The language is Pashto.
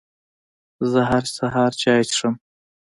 زه هر سهار چای څښم